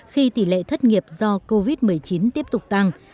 khi tỷ lệ thất nghiệp do covid một mươi chín tiếp tục tăng